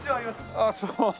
ああそう。